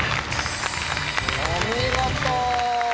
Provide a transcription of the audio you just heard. お見事。